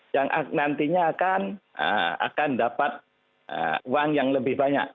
yang nantinya akan dapat uang yang lebih banyak